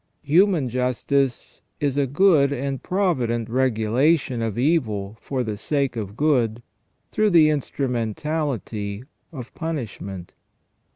Human justice is a good and pro vident regulation of evil for the sake of good through the instru mentality of punishment.